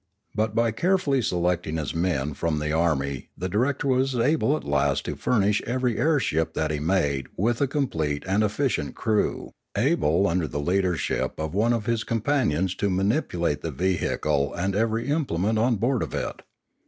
But by carefully selecting his men from the army the director was able at last to furnish every air ship that he made with a complete and efficient crew, able under the leadership of one of his companions to manipulate the vehicle and every implement on board of it.